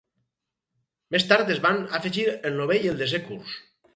Més tard es van afegir el novè i el desè curs.